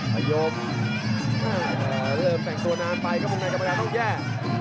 พยมเริ่มแต่งตัวนานไปกรรมการต้องแย่